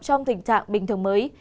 trong tình trạng bình thường mới